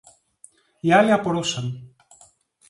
Οι άλλοι απορούσαν